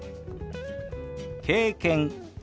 「経験」。